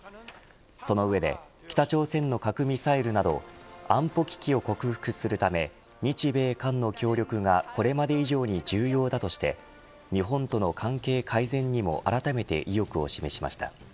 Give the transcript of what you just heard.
その上で北朝鮮の核ミサイルなど安保危機を克服するため日米韓の協力がこれまで以上に重要だとして日本との関係改善にもあらためて意欲を示しました。